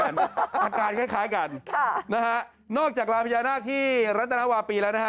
อาการคล้ายกันค่ะนะฮะนอกจากลานพญานาคที่รัตนวาปีแล้วนะฮะ